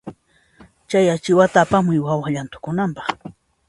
Chay achiwata apamuy wawa llanthukunanpaq.